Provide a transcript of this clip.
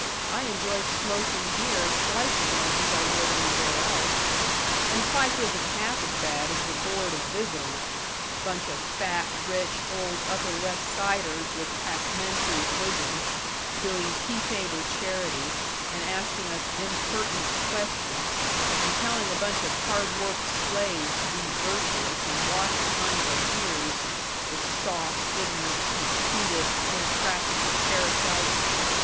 I enjoy smoking here twice as much as I would anywhere else. And Fike isn't half as bad as the board of visitors bunch of fat, rich, old Upper West Siders with passementeried bosoms, doing tea table charity, and asking us impertinent questions, and telling a bunch of hard worked slaves to be virtuous and wash behind their ears the soft, ignorant, conceited, impractical parasites!